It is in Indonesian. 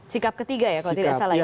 sikap ketiga ya kalau tidak salah ya